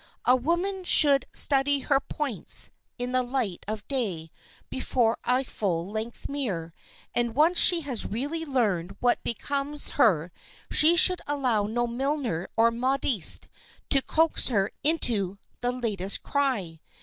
A woman should study her "points" in the light of day before a full length mirror, and once she has really learned what becomes her she should allow no milliner or modiste to coax her into "the latest cry."